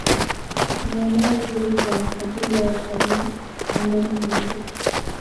Ni eneo zuri kwa ajili ya watalii wa ndani na nje